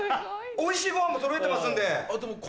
おいしいごはんもそろえてますんで。